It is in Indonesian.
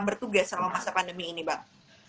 bertugas selama masa pandemi ini bang